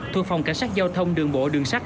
thuộc phòng cảnh sát giao thông đường bộ đường sắt